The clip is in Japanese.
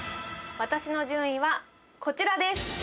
私の順位はこちらです。